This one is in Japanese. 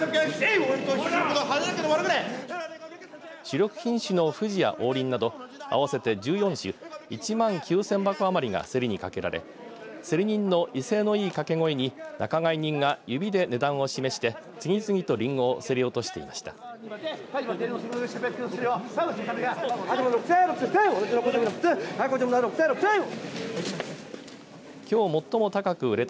主力品種のふじや王林など合わせて１４種１万９０００箱余りが競りにかけられ競り人の威勢のいい掛け声に仲買人が指で値段を示して次々とりんごを競り落としていました。